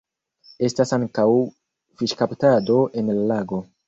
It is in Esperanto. Estas ankaŭ fiŝkaptado en la lago.